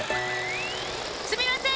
すみません！